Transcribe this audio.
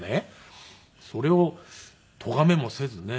それをとがめもせずね